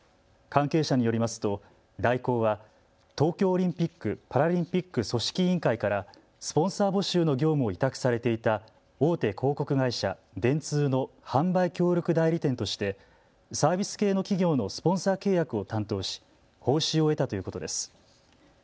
関係者によりますと大広は東京オリンピック・パラリンピック組織委員会からスポンサー募集の業務を委託されていた大手広告会社、電通の販売協力代理店としてサービス系の企業のスポンサー契約を担当し報酬を得たということです。